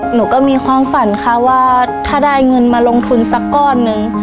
หนูก็มีความฝันค่ะว่าถ้าได้เงินมาลงทุนสักก้อนหนึ่ง